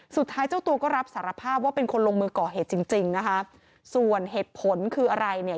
เจ้าตัวก็รับสารภาพว่าเป็นคนลงมือก่อเหตุจริงจริงนะคะส่วนเหตุผลคืออะไรเนี่ย